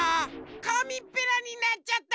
かみっぺらになっちゃった！